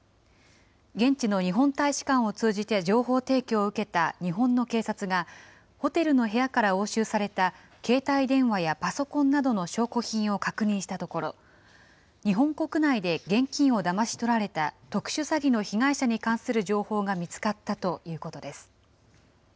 現地の日本大使館を通じて情報提供を受けた日本の警察が、ホテルの部屋から押収された携帯電話やパソコンなどの証拠品を確認したところ、日本国内で現金をだまし取られた、特殊詐欺の被害者に関する情報が見つかったということです。